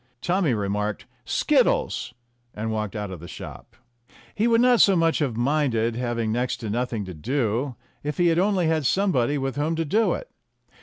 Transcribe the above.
Tommy remarked "Skittles!" and walked out of the shop. He would not so much have minded having next to nothing to do if he had only had somebody with whom to do it.